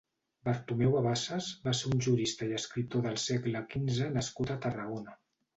Bartomeu Avaces va ser un jurista i escriptor del segle quinze nascut a Tarragona.